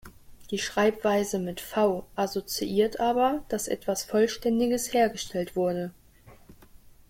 Die Schreibweise mit "V" assoziiert aber, dass etwas "Vollständiges" hergestellt wurde.